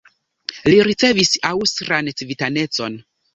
Li ricevis aŭstran civitanecon.